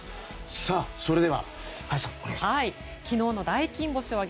それでは、林さんお願いします。